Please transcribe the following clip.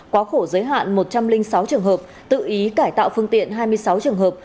quá khổ giới hạn một trăm linh sáu trường hợp tự ý cải tạo phương tiện hai mươi sáu trường hợp